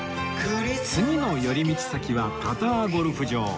次の寄り道先はパターゴルフ場